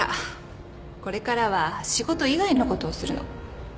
これからは仕事以外のことをするの